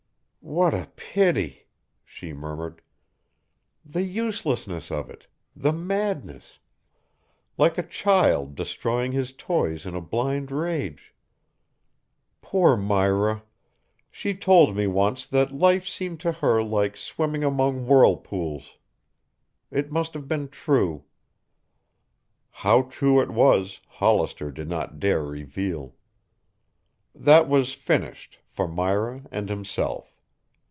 "What a pity," she murmured. "The uselessness of it, the madness like a child destroying his toys in a blind rage. Poor Myra. She told me once that life seemed to her like swimming among whirlpools. It must have been true." How true it was Hollister did not dare reveal. That was finished, for Myra and himself.